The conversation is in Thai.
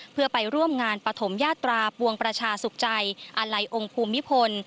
เพื่อไปร่วมงานปฐมยาตราปวงประชาสุขใจอาลัยองค์ภูมิพล